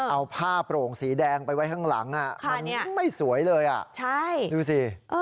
เอาผ้าโปร่งสีแดงไปไว้ข้างหลังมันไม่สวยเลยดูสิ